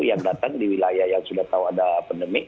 yang datang di wilayah yang sudah tahu ada pandemi